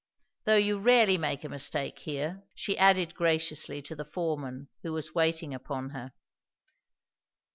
Though you rarely make a mistake here," she added graciously to the foreman who was waiting upon her.